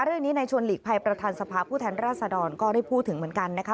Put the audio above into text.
ในชวนหลีกภัยประธานสภาพผู้แทนราชดรก็ได้พูดถึงเหมือนกันนะคะ